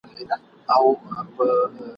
کرشمه ده زما د حسن چي جوړېږي محلونه ..